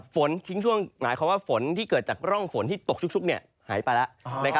ฝนทิ้งช่วงหมายความว่าฝนที่เกิดจากร่องฝนที่ตกชุกหายไปแล้ว